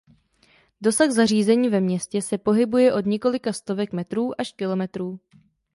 Dosah zařízení ve městě se pohybuje od několika stovek metrů až kilometrů.